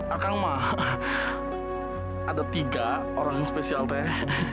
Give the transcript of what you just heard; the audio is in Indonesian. akang mah ada tiga orang spesial teh